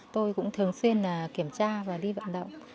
tôi cũng thường xuyên kiểm tra và đi vận động